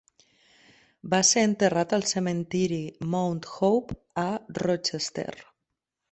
Va ser enterrat al cementiri Mount Hope a Rochester.